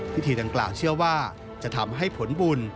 พิธีดังกล่าวเชื่อว่าจะทำให้ผลบุญ